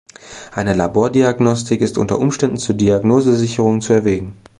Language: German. Eine Labordiagnostik ist unter Umständen zur Diagnosesicherung zu erwägen.